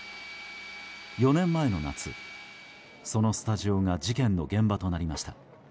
４年前の夏、そのスタジオが事件の現場となりました。